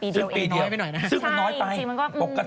ใช่เพิ่งมาปีเดียวเอง